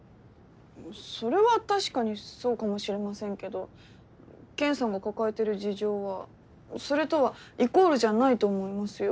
それは確かにそうかもしれませんけどケンさんが抱えてる事情はそれとはイコールじゃないと思いますよ？